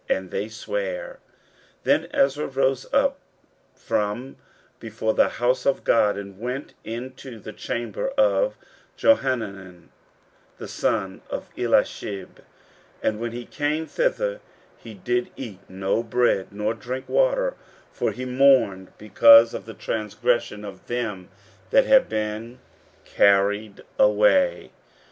And they sware. 15:010:006 Then Ezra rose up from before the house of God, and went into the chamber of Johanan the son of Eliashib: and when he came thither, he did eat no bread, nor drink water: for he mourned because of the transgression of them that had been carried away.